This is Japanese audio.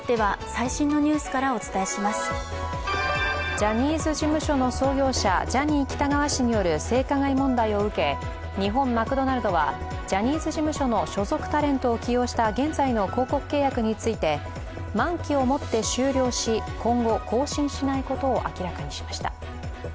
ジャニーズ事務所の創業者、ジャニー喜多川氏による性加害問題を受け日本マクドナルドはジャニーズ事務所の所属タレントを起用した現在の広告契約について、満期をもって終了し、今後、更新しないことを明らかにしました。